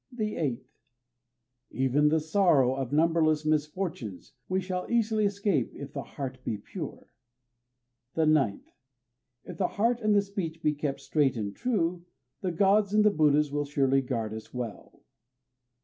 The eighth: Even the sorrow of numberless misfortunes We shall easily escape if the heart be pure. The ninth: If the heart and the speech be kept straight and true, The Gods and the Buddhas will surely guard us well.